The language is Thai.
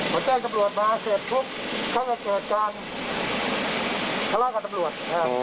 พอแจ้งตำรวจมาเสร็จปุ๊บเขาก็เกิดการทะเลาะกับตำรวจ